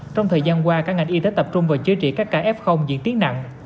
trong thời gian qua các ngành y tế tập trung vào chế trị các kf diễn tiến nặng